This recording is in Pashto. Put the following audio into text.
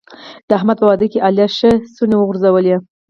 د احمد په واده کې علي ښې څڼې وغورځولې.